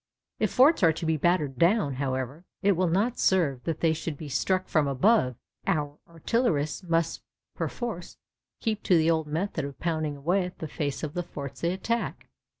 If forts are to be battered down, however, it will not serve that they should be struck from above; our artillerists must perforce keep to the old method of pounding away at the face of the forts they attack.